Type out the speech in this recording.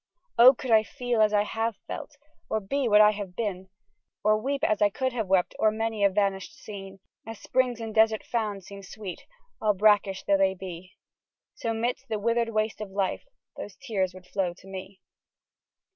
Oh! could I feel as I have felt, or be what I have been, Or weep as I could once have wept o'er many a vanished scene; As springs in desert found seem sweet, all brackish though they be, So, 'midst the wither'd waste of life, those tears would flow to me.